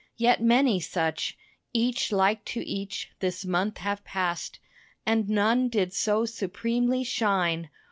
Yet many such, Each like to each, this month have passed, And none did so supremely shine.